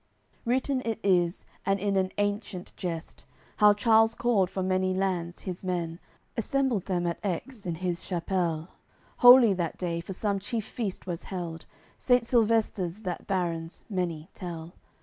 CCLXXI Written it is, and in an ancient geste How Charles called from many lands his men, Assembled them at Aix, in his Chapelle. Holy that day, for some chief feast was held, Saint Silvester's that baron's, many tell.